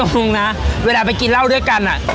เอาจริงนะเวลาไปกินเหล้าด้วยกันอ่ะ